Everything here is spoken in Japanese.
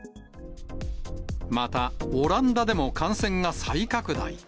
また、オランダでも感染が再拡大。